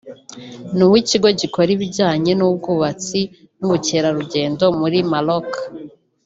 n’uw’ikigo gikora ibijyanye n’ubwubatsi n’ubukerarugendo muri Maroc